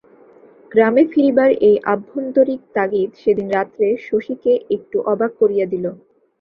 গ্রামে ফিরিবার এই আভ্যন্তরিক তাগিদ সেদিন রাত্রে শশীকে একটু অবাক করিয়া দিল।